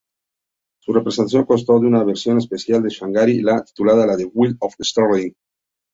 Su presentación constó en una versión especial de ""Shangri-La"" titulada ""The Wind of Starlight"".